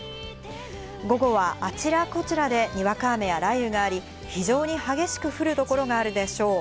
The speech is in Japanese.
午後はあちらこちらでにわか雨や雷雨があり、非常に激しく降る所があるでしょう。